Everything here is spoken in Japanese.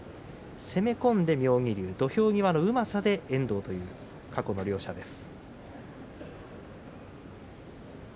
攻め込んで妙義龍、土俵際のうまさで遠藤という過去の両者です。